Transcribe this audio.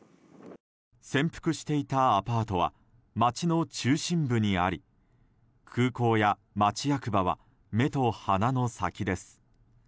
潜伏していたアパートは街の中心部にあり空港や町役場は目と鼻の先です。